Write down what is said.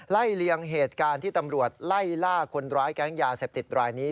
เลียงเหตุการณ์ที่ตำรวจไล่ล่าคนร้ายแก๊งยาเสพติดรายนี้